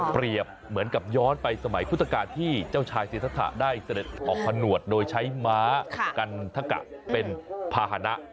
เหมือนกับย้อนไปสมัยพุทธกาลที่เจ้าชายสิทธะได้เสด็จออกผนวดโดยใช้ม้ากันทะกะเป็นภาษณะ